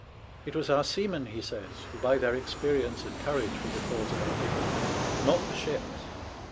It was our seamen, he says, who by their experience and courage were the cause of our victories ; not the ships, SPANISH ARMADA.